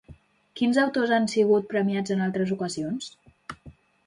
Quins autors han sigut premiats en altres ocasions?